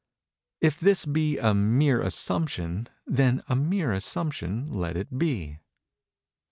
If this be a "mere assumption" then a "mere assumption" let it be.